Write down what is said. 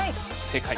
正解。